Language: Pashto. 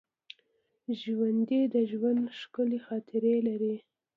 ژوندي د ژوند ښکلي خاطرې لري